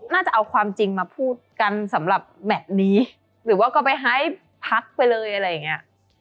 น่าจะเอาความจริงมาพูดกันสำหรับแมทนี้หรือว่าก็ไปให้พักไปเลยอะไรอย่างเงี้ย